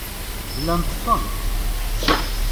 Llan ttessen.